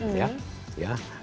sebagai adalah ceo